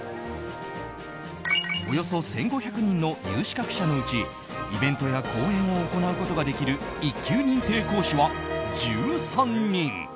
およそ１５００人の有資格者のうちイベントや講演を行うことができる１級認定講師は１３人。